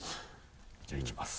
じゃあいきます。